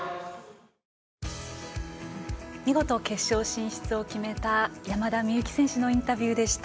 見事、決勝進出を決めた山田美幸選手のインタビューでした。